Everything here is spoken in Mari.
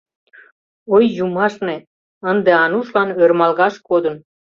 Ой, юмашне, — ынде Анушлан ӧрмалгаш кодын.